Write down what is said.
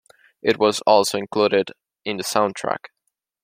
It was also included in the soundtrack.